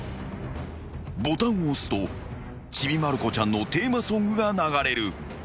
［ボタンを押すと『ちびまる子ちゃん』のテーマソングが流れる］